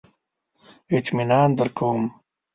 اطمینان درکوم.